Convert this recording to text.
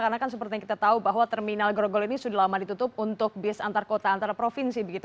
karena kan seperti yang kita tahu bahwa terminal grogol ini sudah lama ditutup untuk bis antar kota antar provinsi